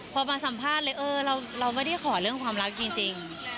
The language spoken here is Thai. พอมาสัมภาษณ์เลยเออเราไม่ได้ขอเรื่องความรักจริง